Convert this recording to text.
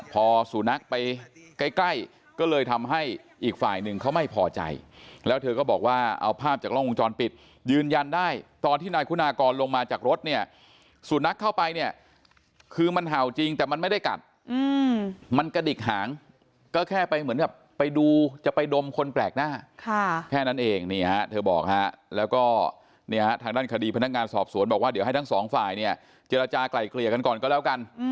พอสุนัขไปใกล้ก็เลยทำให้อีกฝ่ายนึงเขาไม่พอใจแล้วเธอก็บอกว่าเอาภาพจากล้องวงจรปิดยืนยันได้ตอนที่นายคุณากรลงมาจากรถเนี่ยสุนัขเข้าไปเนี่ยคือมันเห่าจริงแต่มันไม่ได้กัดมันกระดิกหางก็แค่ไปเหมือนกับไปดูจะไปดมคนแปลกหน้าแค่นั้นเองเนี่ยเธอบอกแล้วก็เนี่ยทางด้านคดีพนักงานสอบสวนบอกว